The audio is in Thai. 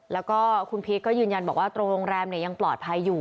แล้วก็คุณพีชก็ยืนยันบอกว่าตรงโรงแรมยังปลอดภัยอยู่